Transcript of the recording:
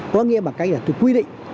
có nghĩa bằng cách là tôi quy định